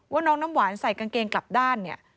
ว่าน้องน้ำหวานใส่กางเกงกลับด้านเนี่ย